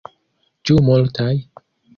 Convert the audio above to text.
Ĉu multaj?